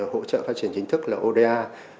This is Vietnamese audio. hỗ trợ phát triển chính thức là oda